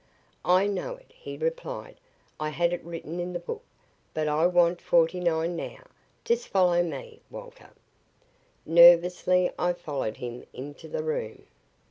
"I know it," he replied. "I had it written in the book. But I want forty nine now. Just follow me, Walter." Nervously I followed him into the room.